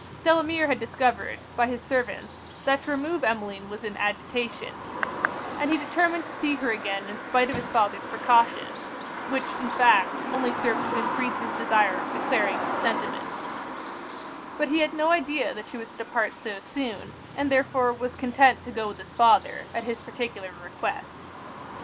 Delamere had discovered, by his servants, that to remove Emmeline was in agitation; and he determined to see her again in spite of his father's precaution (which in fact only served to encrease his desire of declaring his sentiments); but he had no idea that she was to depart so soon, and therefore was content to go with his father, at his particular request.